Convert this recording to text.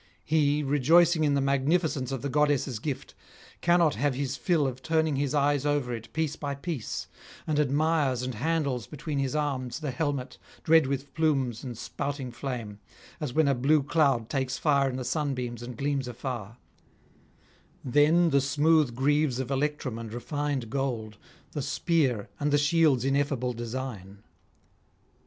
He, rejoicing in the magnificence of the goddess' gift, cannot have his fill of turning his eyes over it piece by piece, and admires and handles between his arms the helmet, dread with plumes and spouting flame, as when a blue cloud takes fire in the sunbeams and gleams afar; then the smooth greaves of electrum and refined gold, the spear, and the shield's ineffable design.